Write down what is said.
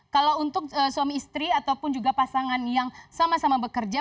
kalau untuk suami istri ataupun juga pasangan yang sama sama bekerja